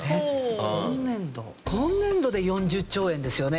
今年度で４０兆円ですよね？